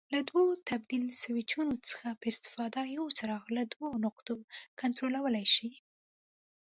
له دوو تبدیل سویچونو څخه په استفاده یو څراغ له دوو نقطو کنټرولولای شي.